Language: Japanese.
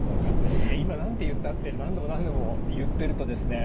「えっ今何て言った？」って何度も何度も言ってるとですね